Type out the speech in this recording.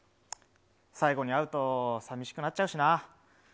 最後に会うとさみしくなっちゃうしな。